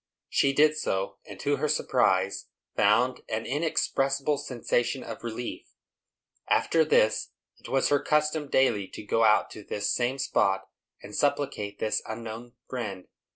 She did so; and, to her surprise, found an inexpressible sensation of relief. After this, it was her custom daily to go out to this same spot, and supplicate this unknown Friend.